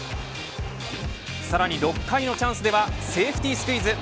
さらに６回のチャンスではセーフティースクイズ。